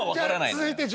続いて潤。